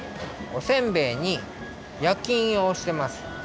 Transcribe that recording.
おせんべいにやきいんをおしてます。